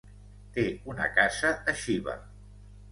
Té una casa a Xiva.